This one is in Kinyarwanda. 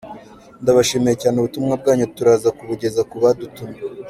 Ndabashimiye cyane ubutumwa bwanyu turaza kubugeza kubadutumye”.